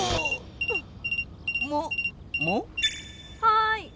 はい！